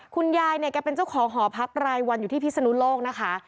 คุณยายเนี่ยแกเป็นเจ้าของหอพักรายวันอยู่ที่พิศนุโลกนะคะ